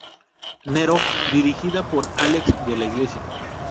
Nero", dirigida por Álex de la Iglesia.